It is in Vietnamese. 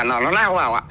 nó lao vào